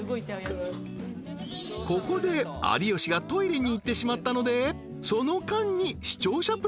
［ここで有吉がトイレに行ってしまったのでその間に］